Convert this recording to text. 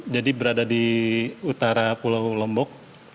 jadi berada di utara pulau lombok